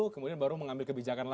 kemudian baru mengambil kebijakan